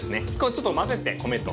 ちょっと混ぜて米と。